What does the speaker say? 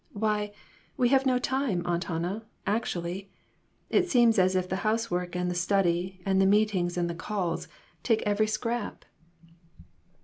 " Why, we have no time, Aunt Hannah, actu ally. It seems as if the housework and the study, the meetings and the calls, take every scrap."